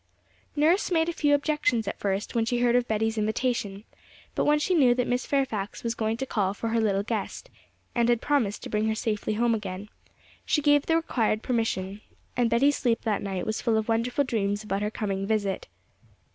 Nurse made a few objections at first, when she heard of Betty's invitation; but when she knew that Miss Fairfax was going to call for her little guest, and had promised to bring her safely back again, she gave the required permission; and Betty's sleep that night was full of wonderful dreams about her coming visit.